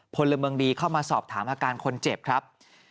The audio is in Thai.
พลเมืองดีเข้ามาสอบถามอาการคนเจ็บครับ